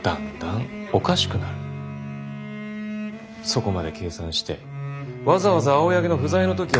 そこまで計算してわざわざ青柳の不在の時を狙っ。